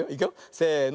せの。